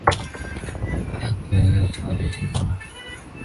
我还有作业要写，我就先走了。